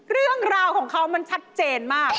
เรื่องราวของเขามันชัดเจนมาก